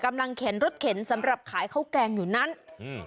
เข็นรถเข็นสำหรับขายข้าวแกงอยู่นั้นอืม